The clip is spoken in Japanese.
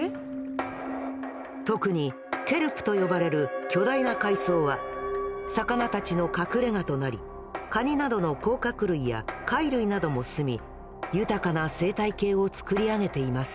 特にケルプと呼ばれる巨大な海藻は魚たちの隠れがとなりカニなどの甲殻類や貝類なども住み豊かな生態系をつくり上げています。